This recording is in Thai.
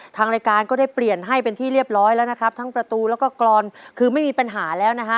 ทางรายการก็ได้เปลี่ยนให้เป็นที่เรียบร้อยแล้วนะครับทั้งประตูแล้วก็กรอนคือไม่มีปัญหาแล้วนะฮะ